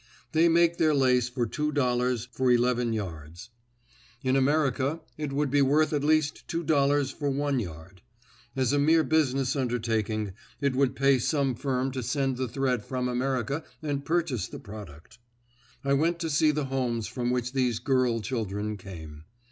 They make their lace for two dollars for eleven yards; in America it would be worth at least two dollars for one yard. As a mere business undertaking it would pay some firm to send the thread from America and purchase the product. I went to see the homes from which these girl children came.